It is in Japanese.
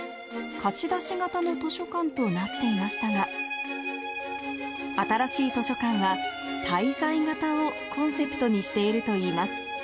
貸し出し型の図書館となっていましたが、新しい図書館は、滞在型をコンセプトにしているといいます。